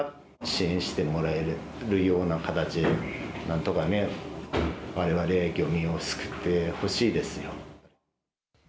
支援してもらえるような形何とかわれわれ漁民を救ってほしいですよ。